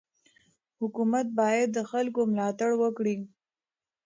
حکومت باید د خلکو ملاتړ وکړي.